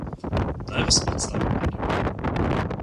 Naj vas predstavim Benjaminu.